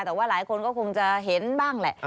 แต่ว่าหลายคนก็คงจะเห็นบ้างแหละ